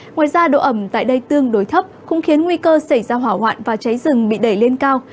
ngoài ra độ ẩm tại đây tương đối thấp cũng khiến nguy cơ xảy ra hỏa hoạn và cháy rừng bị đẩy lên cao